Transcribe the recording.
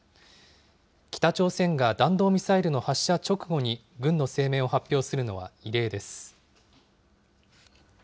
北朝鮮が弾道ミサイルの発射直後に軍の声明を発表するのは異例です。